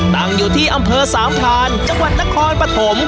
ตั้งอยู่ที่อำเภอสามพรานจังหวัดนครปฐม